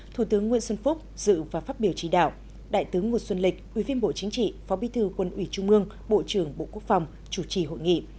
thủ tướng nguyễn xuân phúc dự và phát biểu chỉ đạo đại tướng nguồn xuân lịch ủy viên bộ chính trị phó bí thư quân ủy trung mương bộ trưởng bộ quốc phòng chủ trì hội nghị